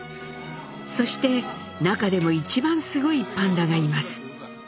そしてなかでもいちばんすごいパンダがいます。